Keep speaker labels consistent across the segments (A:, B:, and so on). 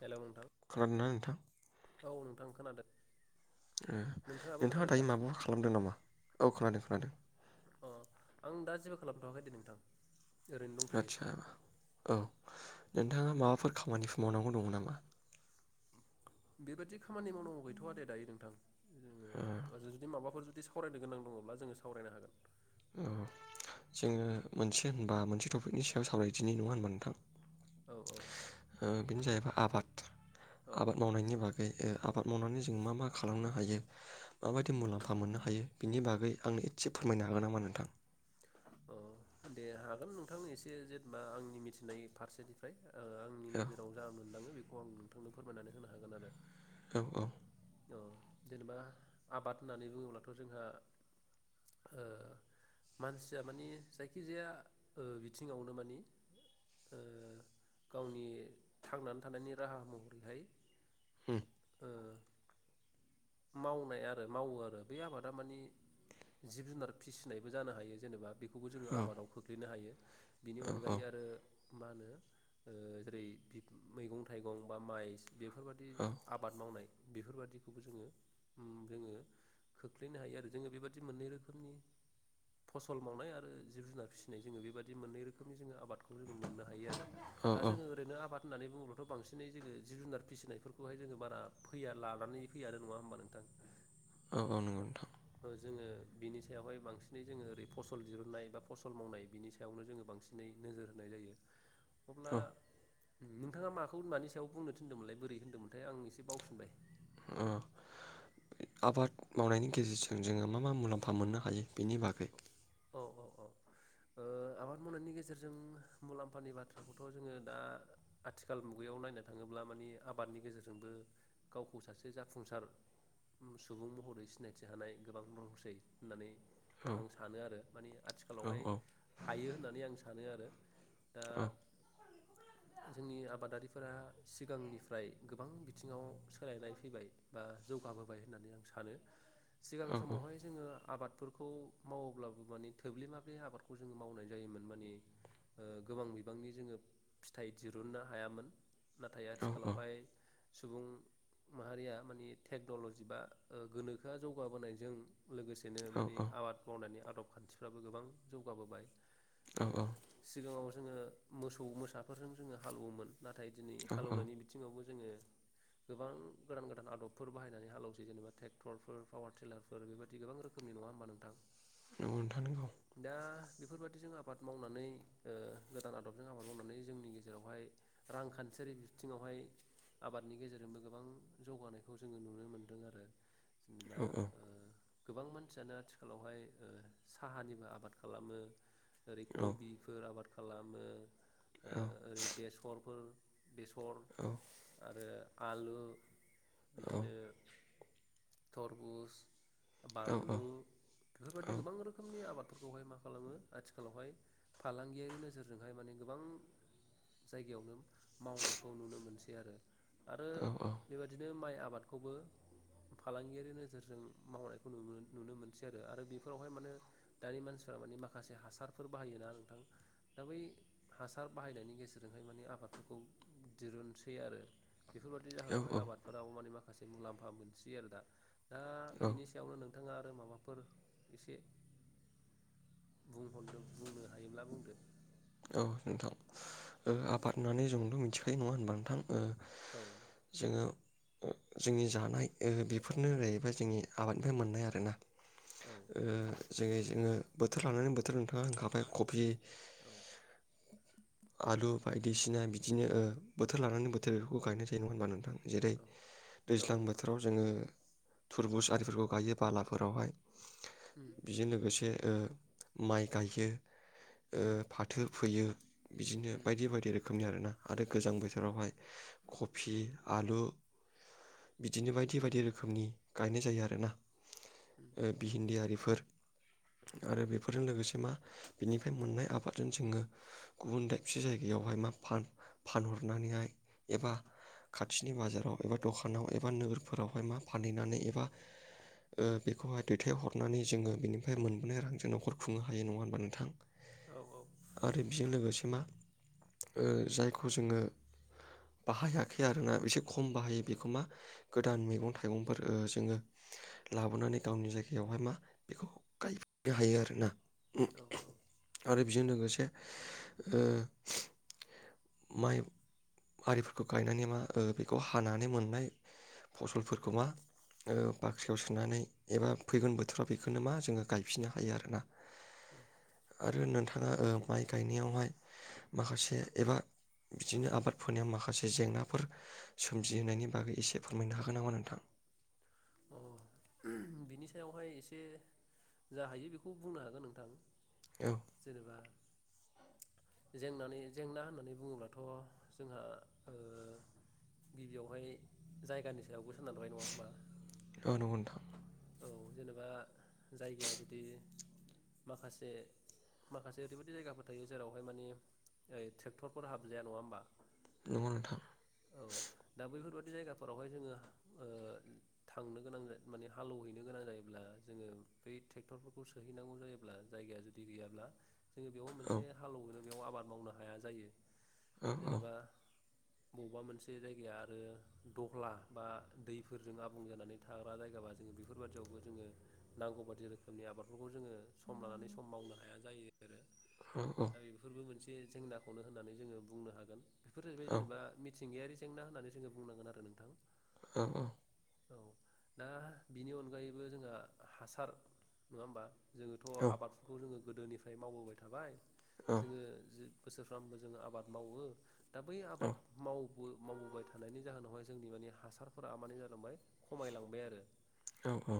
A: Hello नोंथां
B: खोनादोंना नोंथां?
A: औ नोंथां खोनादों नोंथाङाबो
B: नोंथाङा
A: खोनादों दा
B: दायो माबाफोर खालामदों नामा औ खोनादों खोनादों
A: अ आं दा जेबो खालामथ'वाखै दे नोंथां ओरैनो दंथ'यो
B: आदसा औ नोंथाङा माबाफोर खामानिफोर मावनांगौ दङमोन नामा
A: बेबायदि खामानि मावनांगौ गैथ'आ दे दायो नोंथां
B: ओ
A: ओम जो जुदि माबाफोर जुदि सावरायनो गोनां दङब्ला जोङो सावरायनो हागोन
B: औ जोङो मोनसे होनबा मोनसे टपिकनि सायाव सावरायदिनि नङा होनबा नोंथां
A: औ औ
B: ओ बेनो जाहैबाय आबाद
A: औ
B: आबाद मावनायनि बागै ओ आबाद मावनानै जों मा मा खालामनो हायो माबायदि मुलाम्फा मोननो हायो बिनि बागै आंनो एसे फोरमायनो हागोन नामा नोंथां
A: अ दे हागोन नोंथां एसे जेनेबा आंनि मिथिनाय फारसेनिफ्राय ओ आंनि
B: औ
A: नोजोराव जा मोनदाङो बेखौ खौ आं नोंथांनो फोरमायनानै होनो हागोन आरो
B: औ औ
A: औ जेनेबा आबाद होननानै बुङोब्लाथ' जोंहा मानसिया मानि जायखिजाया बिथिङावनो मानि गावनि थांनानै थानायनि राहा महरैहाय
B: होम
A: ओ मावनाय आरो मावो आरो बै आबादा मानि जिब जुनार फिसिनायबो जानो हायो जेनेबा बेखौ खौबो जोङो
B: औ
A: आबादाव खोख्लैनो हायो। बिनि
B: औ औ
A: अनगायै आरो मा होनो ओ जेरै मैगं थाइगं बा माइ बेफोरबायदि आबाद मावनाय बेफोरबादिखौबो जोङो ओ। जोङो खोख्लैनो हायो आरो जोङो बेबायदि मोननै रोखोमनि फसल मावनाय आरो जिब जुनार फिसिनाय जोङो बेबायदि मोननै रोखोमनि जोङो आबाद मोननो हायो आरो
B: औ
A: दा
B: औ
A: जो ओरैनो आबाद होननानै बुङोब्लाथ' बांसिनै जोङो जिब जुनार फिसिनायफोरखौहाय जोङो बारा फैया लानानै फैया आरो नङा होनबा नो नोंथां
B: औ औ नोंगौ नोंथां
A: जोङो बिनि सायावहाय बांसिनै जोङो ओरै फसल दिहुनन्नाय बा फसल मावनाय बिनि सायावनो जोङो बांसिनै नोजोर होनाय जायो अब्ला
B: औ
A: नोंथाङा माखौ मानि सायाव बुंनो थिनदोंमोनलाय बोरै होन्दोंमोनथाय आं एसे बावफिनबाय
B: अ आबाद मावनायनि गेजेरजों जोङो मा मा मुलाम्फा मोननो हायो बेनि बागै
A: औ औ औ ओ आबाद मावनायनि गेजेरजों मुलाम्फानि बाथ्राखौथ' जोङो दा आथिखाल मुगायाव नायनो थाङोब्ला मानि आबादनि गेजेरजोंबो गावखौ सासे जाफुंसार सुबुं महरै सिनायथि होनाय गोबां दंसै होननानै
B: औ
A: आं सानो आरो माने
B: औ
A: आथिखालावहाय
B: औ
A: हायो होननानै आं सानो आरो दा
B: औ
A: जोंनि आबादारिफोरा सिगांनिफ्राय गोबां बिथिङाव सोलायनाय फैबाय बा जौगाबोबाय होननानै आं सानो। सिगां
B: औ
A: समावहाय जोङो। आबादफोरखौ मावोब्लाबो माने थोब्ले माब्लि आबादखौ जोङो मावनाय जायोमोन माने ओ गोबां बिबांनि जोङो फिथाइ दिरुननो हायामोन। नाथाय
B: औ औ
A: आथिखालावहाय सुबुं माहारिया मानि टेक्न'ल'जि बा गोनोखोआ जौगाबोनायजों लोगोसेनो मानि आबाद मावनायनि आदब खान्थिफ्राबो गोबां जौगाबोबाय।
B: औ
A: ओ सिगाङाव जोङो मोसौ मोसाफोरजों जोङो हालौवोमोन। नाथाय दिनै
B: औ औ
A: हालेवनायनि बिथिङावबो जोङो गोबां गोदान गोदान आदबफोर बाहायनानै हालौसै जेनेबा ट्रेक्टरफोर पावार लारफोर बेबायदि गोबां रोखोमनि नङा होमबा नोंथां।
B: नंगौ नोंथां नोंगौ।
A: दा बेफोरबादिजों आबाद मावनानै गोदान आदबजों आबाद मावनानै जोंनि गेजेरावहाय रांखान्थियारि बिथिङावहाय आबादनि गेजेरजोंबो गोबां जौगानायखौ जोङो नुनो मोनदों आरो जेनेबा
B: औ
A: उम गोबां मानसियानो आथिखालावहाय साहानिबो आबाद खालामो ओरै
B: औ
A: कबिफोर आबाद खालामो
B: औ
A: ओरै बेसरफोर बेसर
B: औ
A: आरो आलु
B: औ औ
A: बिदिनो थरमुस
B: औ
A: बानलु बेफोरबायदि गोबां रोखोम आबादफोरखौहाय मा खालामो आथिखालावहाय फालांगियारि नोजोरजोंहाय माने गोबां जायगायावनो मावनायखौ नुनो मोनसै आरो आरो
B: औ
A: बेबायादिनो माइ आबादखौबो फालांगियारि नोजोरजों मावनायखौ नु-नुनो मोनसै आरो आरो बेफोरावहाय माने दानि मानसिफोरा माने माखासे हासारफोर बाहायोना नोंथां दा बै हासार बाहायनायनि गेजेरजोंहाय माने आबादफोरखौ दिरुनसै आरो बेफोरबादि
B: औ औ
A: जाहोनावहाय आबादफोराबो माने माखासे से मुलाम्फा मोनसै आरो दा दा बिनि सायावनो नों थाङा आरो माबाफोर एसे बुंहरद बुंनो हायोब्ला बुंदो?
B: औ नोंथां ओ आबाद होननानै जोंल' मिथिखायो नङा होनबा नोंथां?
A: औ
B: ओ जोंङो जोंनि जानाय बेफोरनो जाहैबाय जोंनि आबादनिफ्राय मोननाय आर ना
A: औ
B: ओ जोंङो जोंङो बोथोर लानानै बोथोर नोंथाङा होनखाबाय कबि
A: औ
B: आलु बायदिसिना दा बिदिनो बोथोर लानानै बोथोरखौ गायनाय जायो नङा होनबा नोंथां? जेरै
A: औ औ
B: दैज्लां बोथोराव जोंङो थुरबुस आरिफोरखौ गायो बालाफोरावहाय
A: उम
B: बेजों लोगोसे ओ माइ गायो ओ
A: उम
B: फाथ फैयो बिदिनो
A: उम
B: बायदि बायदि रोखोमनि आरोना आरो गोजां
A: उम
B: बोथोरावहाय कफि आलु बिदिनो बायदि बायदि रोखोमनि गायनाय जायो आरो ना
A: उम
B: बिहिन्दि आरिफोर
A: उम
B: आरो बेफोरजों लोगोसे मा बिनिफ्राय मोननाय आबाद जोङो गुबुन दाबसे जायगायावहाय मा फानहरनानैहाय एबा खाथिनि बाजाराव एबा दखानाव एबा नोगोरफोरावहाय मा फानहैनानै एबा बेखौहाय दैथायहरनानै जोङो बेनिफ्राय मोनबोनाय रांजों न'खर खुंनो हायो नङा होनबा नोंथां?
A: औ औ
B: आरो बेजों लोगोसे मा ओ जायखौ जोङो बाहायाखै आरोना एसे खम बाहायो बेखौ मा गोदान मैगं थाइगंफोर जोङो लाबोनानै गावनि जायगायावहाय मा बेखौ गायफिनो हायो आरो ना
A: औ
B: [inaudible] बेजों लोगोसे ओ माइ आरिफोरखौ गायनानै मा बेखौ हानानै मोननाय फसलफोरखौ मा ओ बाख्रियाव सोनानै एबा फैगोन बोथोराव बेखौनो मा जोङो गायफिननो हायो आरोना।
A: [inaudible]
B: आरो नोंथाङा माइ गायनायावहाय माखासे एबा बिदिनो आबाद फोनायाव माखासे जेंनाफोर सोमजिहोनायनि बागै एसे फोरमायनो हागोन नामा नोंथां?
A: अ बिनि सायावहाय एसे जा हायो बेखौ बुंनो हागोन नोंथां।
B: औ
A: जेनेबा जें जेंना होननानै बुङोब्लाथ' जोंहा ओ गिबियावहाय जायगानि सायावसो सोनारबाय नङा होनोमबा?
B: औ नंगौ नोंथां।
A: औ जेनेबा जायगाया जुदि माखासे माखासे ओरैबायदि जायगाफोर थायो जेरावहाय मानि ओ ट्रेक्टरफोर हाबजाया नङा होमबा?
B: नंगौ नोंथां
A: बे जायगाफोरावहाय जोङो ओ थांनो गोनां माने हाल एवहैनो गोनां जायोब्ला जोङो बै ट्रेक्टरफोरखौ सोहैनांगौ जायोब्ला जायगाया जुदि गैयाब्ला जोङो बेयाव
B: औ
A: मोनसे हाल एवदों बेयाव आबाद मावनो हाया जायो
B: औ औ
A: जेनेबा बबेबा मोनसे जायगाया आरो दहला बा दैफोरजों आबुं जानानै थाग्रा जायगाबा जों बेफोरबायदियावबो जोङो नांगौ बायदि रोखोमनि आबादफोरखौ जोङो सम लानानै सम मावनो हाया जायो
B: औ
A: दा बेफोरबो मोनसे बे जेंनाखौनो होननानै जोङो बुंनो हागोन बेफोर जाहैबाय
B: औ
A: जेनेबा मिथिंगायारि जेंना होननानै जोङो बुंनांगोन आरो नोंथां
B: औ औ
A: औ दा बिनि अनगायैबो जोंहा हासार नङा होमबा जोङोथ' आबादफोरखौ जोङो गोदोनिफ्राय मावबोबाय थाबाय जोङो बोसोरफ्रोमबो जोङो आबाद मावो दा बै आबाद माव माव बोबाय थानायनि जाहोनावहाय जोंनि माने हासारफोरा माने जालांबाय खमायलांबाय आरो
B: औ औ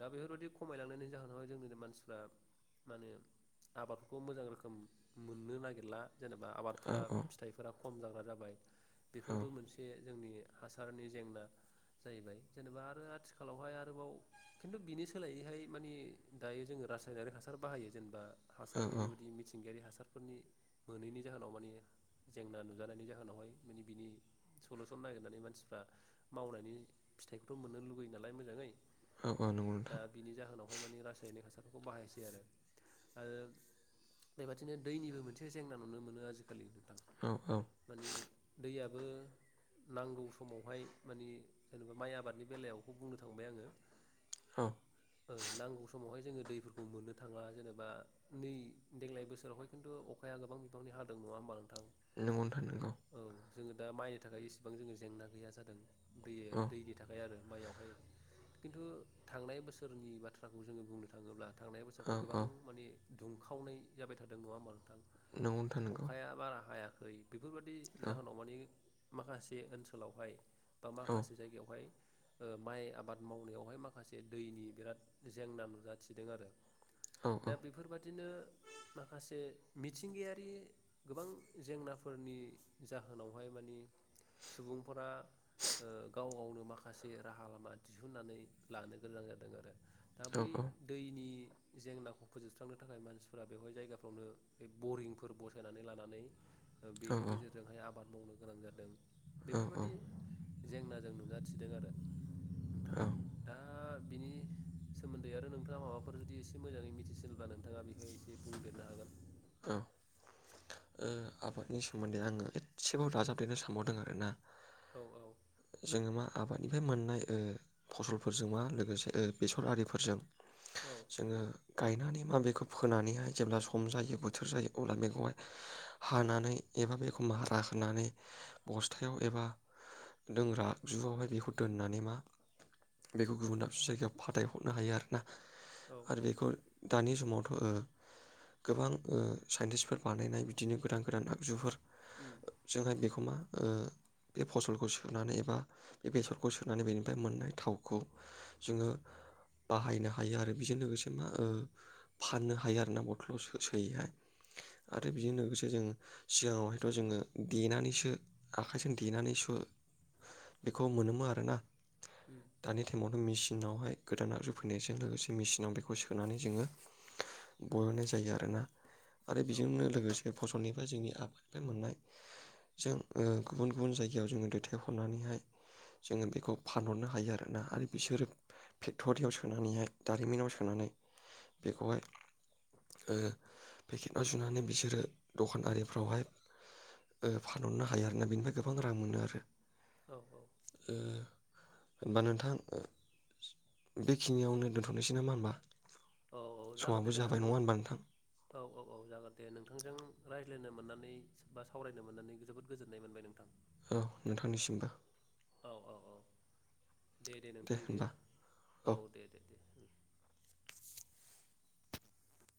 A: दा बेफोरबायदि खमायलांनायनि जाहोनावहाय जोंनि मानसिफ्रा माने आबादफोरखौ मोजां रोखोम मोननो नागिरला जेनेबा आबादफोरा फिथाइफोरा खम जाग्रा जाबाय बेफोरबो मोनसे जोंनि हासारनि जेंना जाहैबाय जेनेबा आरो आथिखाल खालावहाय आरोबाव खिन्थु बिनि सोलायैहाय माने दायो जोङो रासायनारिक हासार बाहायो जेनबा हासारनि
B: औ
A: बेबायदि मिथिंगायारि हासार डक्टारफोरनि मोनैनि जाहोनाव माने जेंना नुजानायनि जाहोनावहाय माने बिनि सलुसन नागिरनानै मानसिफ्रा मावनायनि फिथाइखौथ' मोननो लुुबैयो नालाय मोजाङै
B: औ औ नंगौ
A: दा
B: नोंथां
A: बिनि जाहोनावहाय माने रासायनिक हासार बेखौ बाहायसै आरो आरो बेबादिनो दैनिबो मोनसे जेंना नुनो मोनो आजिखालि
B: औ औ
A: माने दैया बो नांगौ समावहाय माने जेनेबा माइ आबादनि बेलायाव बेखौ बुंनो थांबाय आङो
B: औ
A: ओ नांगौ समावहाय जोङो दैफोरखौ मोननो थाङा जेनेबा नै देग्लाय बोसोरावहाय खिन्थु अखाया गोबां बिफांनि हादों नङा होमबा नों
B: नोंगौ नोथां नोंगौ
A: जोङो दा माइनि थाखाय इसेबां जोङो जेंना गैया जादों दैयो
B: औ
A: दैनि थाखाय आरो मायाव बहाय खिन्थु थांनाय बोसोरनि बाथ्राखौ जोङो बुंनो थाङोब्ला थांनाय
B: औ
A: बोसोरावथ गोबां
B: औ
A: माने दुंखावनाय जाबाय थादों नङा होनबा गां
B: नंगौ नोंथां नंगौ
A: अखाया बारा हाया बै बेफोरबादि
B: औ
A: जाहोनाव माने माखासे ओनसोलावहाय बा
B: औ
A: माखासे जायगायावहाय ओ माइ आबाद मावनायावहाय माखासे दैनि बिराद जेंना नुजाथिदों आरो
B: औ औ
A: दा बेफोरबादिनो माखासे मिथिंगायारि गोबां जेंनाफोरनि जाहोनावहाय मानि बे राहा लामा दिहुननानै लानो गोनां जादों आरो दा
B: औ
A: बै दैनि जेंनाखौ फोजोबस्रांनो थाखाय मानसिफोरा बेवहाय जायगाफ्रावनो बे बरिंफोर बसायनानै लानानै ओ
B: औ
A: बेनि गेजेरजोंहाय आबाद मावनो गोनां जादों
B: औ
A: बेफोरबादि जेंना जों नुजाथिदों आरो नोंथां
B: औ
A: दा बिनि सोमोन्दै आरो नोंथाङा माबाफोर जुदि एसे मोजाङै मिथिसिनब्ला नोंथाङा बेहाय एसे बुंदेरनो हागोन।
B: औ ओ आबादनि सोमोन्दै आंङो एसेबाव दाजाबदेरनो सानबावदों आरो ना
A: औ औ
B: जोंङो मा आबादनिफाय मोननाय ओ फसलफोरजों मा लोगोसे ओ बेसर आरिफोरजों
A: औ
B: जोंङो गायनानै माबे खो फोनानैहाय जेब्ला सम जायो बोथ थोर जायो अला बेखौहाय हानानै एबा बेखौ मारा होनानै बस्थायाव एबा लोंग्रा जुआवहाय बेखौ दोननानै मा बेखौ गुबुन दाबसे जायगायाव फाथायहरनो हायो आरो ना
A: औ
B: आरो
A: औ
B: बेखौ दानि समाव थ ओ गोबां ओ साइन्टिस्फोर बानायनाय बिदिनो गोदान गोदान आगजुफोर
A: उम
B: ओ जोंहाय बे [unintelligible] बेसरखौ सोनानै बेनि मोननाय थावखौ जोंंङो बाहायनो हायो आरो बेजों लोगोसे ओ फाननो हायो आरो ना बथलावा सो सो बेहाय
A: औ
B: आरो बेजों लोगोसे जों सिगाङावहायथ' जोंङो देनानैसो आखाइजों देनानैसो बेखौ मोनोमोन आरोना।
A: उम
B: दानि टाइमावथ' मिसि मेचिनावहाय गोदान आगजु फैनायजों लोगोसे मेसिनाव बेखौ सोनानै जोंङो
A: उम
B: बरननाय जायो आरोना। आरो
A: औ
B: बेजोंनो लोगोसे फसलनि ओ जोंनि आबादनिफ्राय मोननाय जों ओ गुबुन गुबुन जायगायाव जोंङो दैथायहरनानैहाय जोंङो बेखौ फानहरनो हायो आरो ना आरो बिसोरो फेक्टरियाव सोनानैहाय दारिमिनाव सोनानै बेखौहाय ओ पेकेटआव जुनानै बिसोरो दखान आरिफ्रावहाय फानहरनो हायो आरो ना बेनिफ्राय गोबां रां मोनो आरो।
A: औ औ
B: ए। होम्बा नोंथां बेखिनियावनो दोन्थनोसै नामा होम्बा?
A: औ औ जागोन दे
B: समाबो
A: नोंथां
B: जाबाय नंङा होनबा नोंथां?
A: औ औ औ जागोन दे नोंथांजों रायज्लायनो मोननानै बा सावरायनो मोननानै जोबोद गोजोननाय मोनबाय नोंथां।
B: औ नोंथांनिसिमबो।
A: औ औ औ। दे दे नोंथां दे औ दे दे दे।